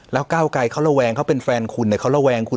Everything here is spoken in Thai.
แล้วก้าวไกรเขาระแวงเขาเป็นแฟนคุณเขาระแวงคุณ